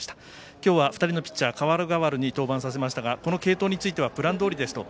今日は２人のピッチャー代わる代わるに継投させましたがこの継投に関してはプランどおりですと。